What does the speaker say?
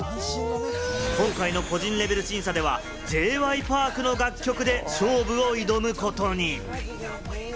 今回の個人レベル審査では、Ｊ．Ｙ．Ｐａｒｋの楽曲で勝負を挑むことに。